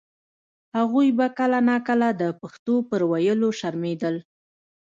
هغوی به کله نا کله د پښتو پر ویلو شرمېدل.